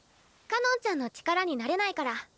かのんちゃんの力になれないから。